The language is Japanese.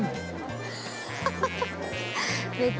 ハハハハ！